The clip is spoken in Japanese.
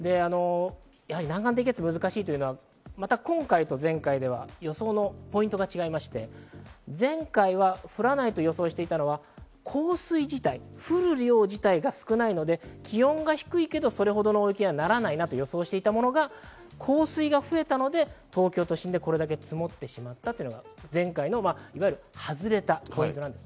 南岸低気圧が難しいというのは、また今回と前回では予想のポイントが違いまして、前回は降らないと予想していたのは、降水自体、降る量が少ないので、気温が低いけどそれ程の大雪にはならないなと予想していたものが、降水が増えたので、東京都心でこれだけ積もってしまったというのが前回の外れたポイント。